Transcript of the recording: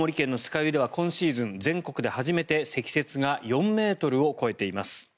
湯では今シーズン全国で初めて積雪が４ｍを超えています。